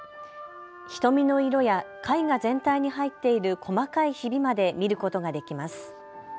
瞳の色や絵画全体に入っている細かいひびまで見ることができます。